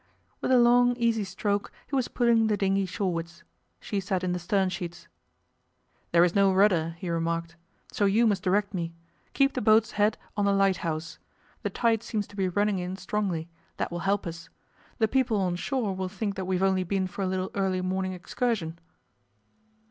With a long, easy stroke he was pulling the dinghy shorewards. She sat in the stern sheets. 'There is no rudder,' he remarked, 'so you must direct me. Keep the boat's head on the lighthouse. The tide seems to be running in strongly; that will help us. The people on shore will think that we have only been for a little early morning excursion.